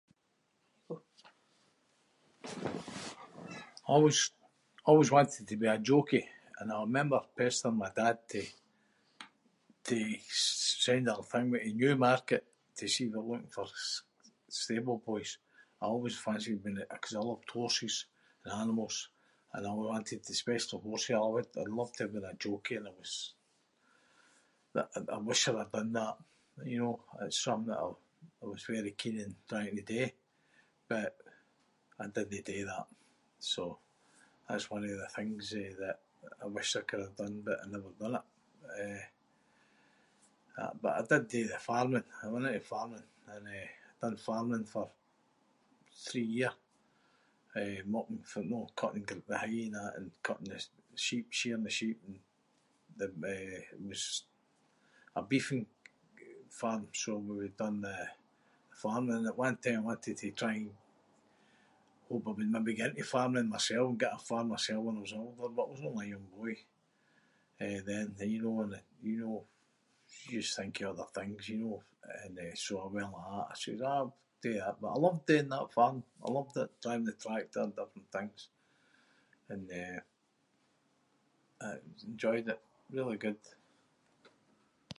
I always- I always wanted to be a jockey and I remember pestering my dad to- to send a thingmy to Newmarket to see if they were looking for s- stable boys. I always fancied being- ‘cause I loved horses and animals and I wanted to – especially horses- I would’ve loved to have been a jockey when I was- th- I wish I’d have done that, you know? It’s something that I- I was very keen on trying to do but I didnae do that, so that’s one of the things, eh, that I wish I could’ve done but I never done it. Eh, a- but I did do the farming. I went into farming and, eh, done farming for, three year. Eh, mucking the [inc], cutting the hay and that and cutting the sheep- shearing the sheep and the- eh, it was a beefing farm so when we done the farming at one time I wanted to try and- hope I would maybe get into farming mysel and get a farm mysel when I was older but I was only a young boy eh then, and you know- you know, you just think of other things, you know? And eh, so I went like that- I says “I’ll do that” but I loved doing that farm. I loved it- driving the tractor and different things and, eh, aye- I enjoyed it. Really good.